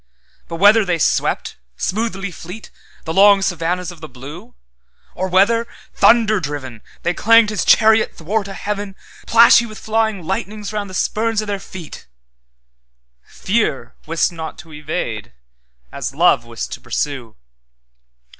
But whether they swept, smoothly fleet, The long savannahs of the blue; Or whether, Thunder driven, They clanged his chariot 'thwart a heaven, Plashy with flying lightnings round the spurn o' their feet:—Fear wist not to evade as Love wist to pursue.